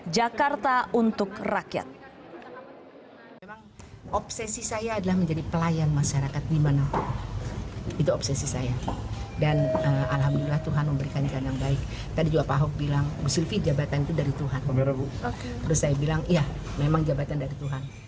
jakarta untuk rakyat